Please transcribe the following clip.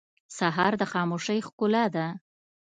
سهار د خاموشۍ ښکلا ده.